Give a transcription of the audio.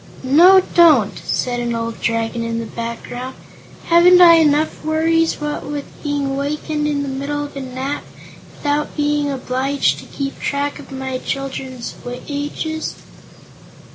"No; don't!" said an old Dragon in the background; "haven't I enough worries, what with being wakened in the middle of a nap, without being obliged to keep track of my children's ages?"